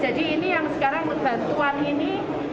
jadi ini yang sekarang bantuan ini